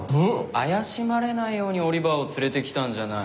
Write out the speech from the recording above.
怪しまれないようにオリバーを連れてきたんじゃない。